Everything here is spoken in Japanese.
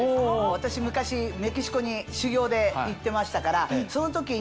私昔メキシコに修業で行ってましたからその時に。